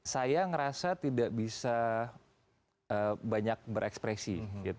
saya merasa tidak bisa banyak berekspresi